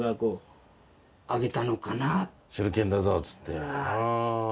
手裏剣だぞっつって。